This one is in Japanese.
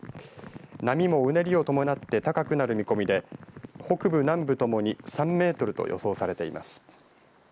波もうねりを伴って高くなる見込みで北部、南部ともに３メートルと予想されています。